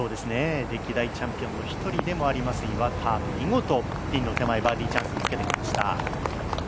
歴代チャンピオンの一人でもあります、岩田見事、ピンの手前バーディーチャンスにつけてきました。